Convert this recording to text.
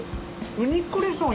「ウニクレソン」